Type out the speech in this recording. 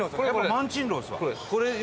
萬珍樓ですわ。